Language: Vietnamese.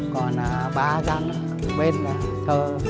còn ba gian ở bên là thơ